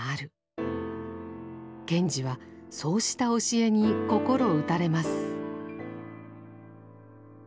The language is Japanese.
賢治はそうした教えに心打たれます。